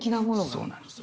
そうなんです。